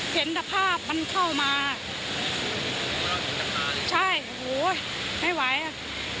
เห็นแต่ภาพมันเข้ามาใช่โอ้โหไม่ไหวอ่ะ